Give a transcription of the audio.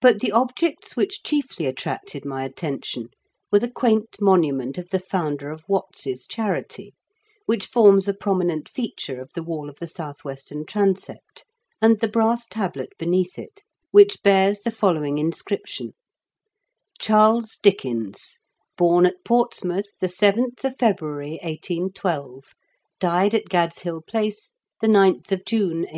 But the objects EOCHESTEB CATHEDRAL. 49 which chiefly attracted my attention were the quaint monument of the founder of Watts's charity, which forms a prominent feature of the wall of the south western transept, and the brass tablet beneath it, which bears the following inscription : CHAELES DICKENS, Born at Portsmouth the seventh op February, 1812. Died at Gad's Hill Place, the ninth of June, 1870.